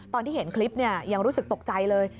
ตอนที่เห็นคลิปยังรู้สึกตกใจเลย